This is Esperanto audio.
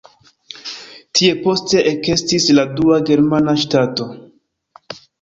Tie poste ekestis la dua germana ŝtato.